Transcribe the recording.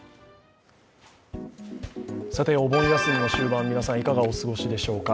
お盆休みも終盤、皆さん、いかがお過ごしでしょうか。